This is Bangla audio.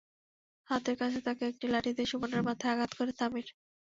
হাতের কাছে থাকা একটি লাঠি দিয়ে সুবর্ণার মাথায় আঘাত করে সামির।